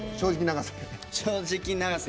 正直永瀬？